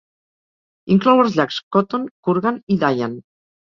Inclou els llacs Khoton, Khurgan i Dayan.